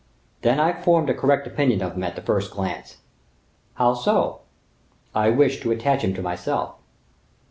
"Then I formed a correct opinion of him at the first glance." "How so?" "I wished to attach him to myself."